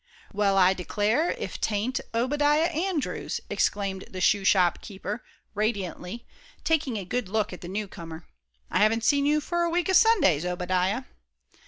"Well, I declare, if 'tain't Obadiah Andrews!" exclaimed the shoe shop keeper, radiantly, taking a good look at the newcomer. "I haven't seen you for a week o' Sundays, Obadiah."